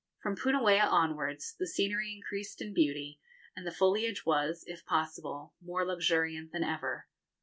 From Punauia onwards the scenery increased in beauty, and the foliage was, if possible, more luxuriant than ever.